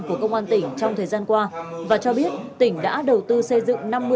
của công an tỉnh trong thời gian qua và cho biết tỉnh đã đầu tư xây dựng